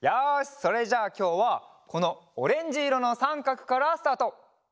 それじゃあきょうはこのオレンジいろのさんかくからスタート。